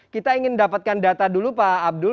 kita ingin dapatkan data dulu pak abdul